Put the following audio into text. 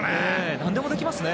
何でもできますね。